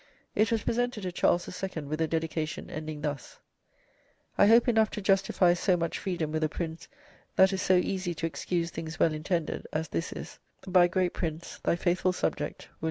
It was presented to Charles II., with a dedication ending thus: "I hope enough to justifie soe much freedome with a Prince that is so easie to excuse things well intended as this is "BY "Great Prince, "Thy faithfull subject, "WM.